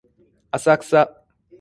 浅草